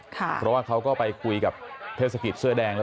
เพราะว่าเขาก็ไปคุยกับเทศกิจเสื้อแดงแล้ว